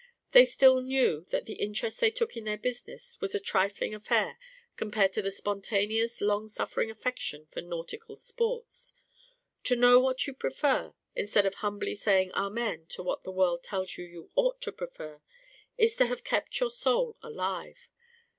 They still knew that the interest they took in their business was a trifling affair compared to their spontaneous, long suffering affection for nautical sports. To know what you prefer, instead of humbly saying Amen to what the world tells you you ought to prefer, is to have kept your soul alive.